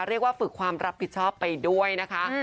เรียกว่าฝึกความรับผิดชอบไปด้วยนะคะ